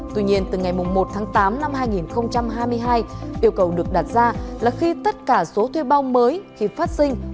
tuy nhiên từ ngày một tháng tám năm hai nghìn hai mươi hai yêu cầu được đặt ra là khi tất cả số thuê bao mới khi phát sinh